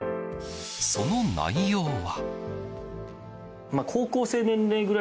その内容は。